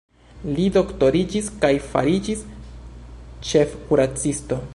Li doktoriĝis kaj fariĝis ĉefkuracisto.